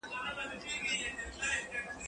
سبزیحات تيار کړه!؟